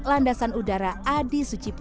landasan udara adi sucipa